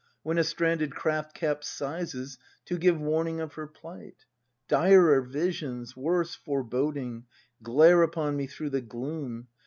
When a stranded craft capsizes. To give warning of her plight! Direr visions, worse foreboding. Glare upon me through the gloom!